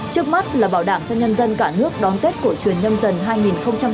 trước mắt là bảo đảm cho nhân dân cả nước đón tết của truyền nhân dân hai nghìn hai mươi hai an toàn lành mạnh